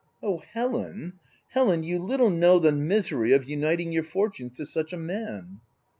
u Oh, Helen, Helen ! you little know the misery of uniting your fortunes to such a man